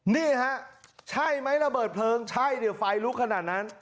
นี่ฮะใช่ไหมระเบิดเพลิงใช่เนี่ยไฟลุกขนาดนั้น